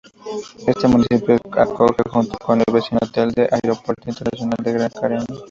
Este municipio acoge, junto con el vecino Telde, al Aeropuerto Internacional de Gran Canaria.